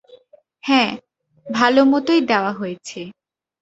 হ্যাঁ, ভালোমতোই দেওয়া হয়েছে।